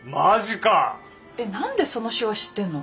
えっ何でその手話知ってんの？